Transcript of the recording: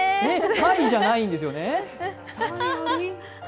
たいじゃないんですよね？